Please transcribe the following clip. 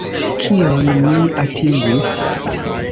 Kion mi atingis?